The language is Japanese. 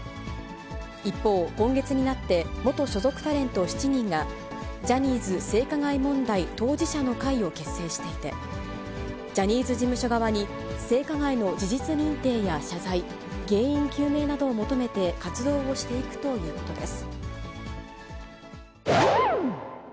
一方、今月になって、元所属タレント７人が、ジャニーズ性加害問題当事者の会を結成していて、ジャニーズ事務所側に性加害の事実認定や謝罪、原因究明などを求めて、活動をしていくということです。